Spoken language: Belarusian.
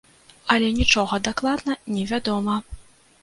Але нічога дакладна не вядома.